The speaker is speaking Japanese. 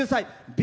Ｂ